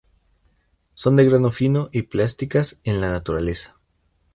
Son de grano fino y plásticas en la naturaleza.